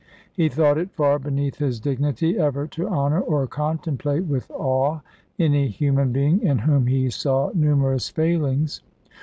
He thought it far beneath his dignity ever to honour, or contemplate with awe, any human being in whom he saw numerous failings.